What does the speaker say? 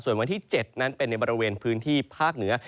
ส่วนวันที่๗นั้นเป็นในบริเวณพื้นที่ภาคเหนือ